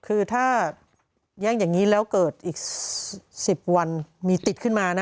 คือถ้าแย่งอย่างนี้แล้วเกิดอีก๑๐วันมีติดขึ้นมานะ